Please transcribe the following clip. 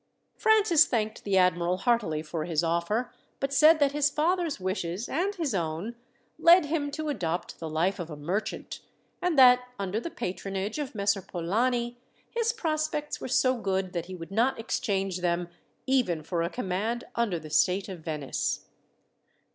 Francis thanked the admiral heartily for his offer, but said that his father's wishes, and his own, led him to adopt the life of a merchant, and that, under the patronage of Messer Polani, his prospects were so good that he would not exchange them, even for a command under the state of Venice.